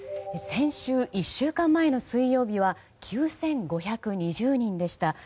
先週、１週間前の水曜日は９５２０人でした。